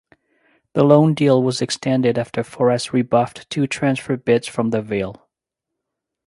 The loan deal was extended after Forest rebuffed two transfer bids from the Vale.